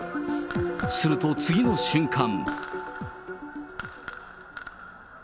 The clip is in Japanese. すると次の瞬間。